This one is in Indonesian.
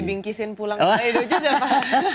bisa disin pulang ke kaledo juga pak